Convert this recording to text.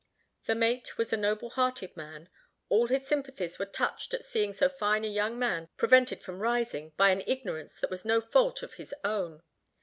The mate was a noble hearted man; all his sympathies were touched at seeing so fine a young man prevented from rising by an ignorance that was no fault of his own.